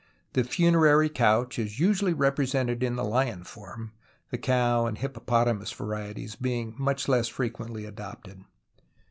The funerary couch is usually represented in the lion form, the cow and hippopotamus varieties being much less frequently adopted.